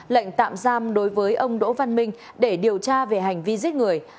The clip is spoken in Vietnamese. lệnh tạm giam đối với ông đỗ văn minh để điều tra về hành vi giết người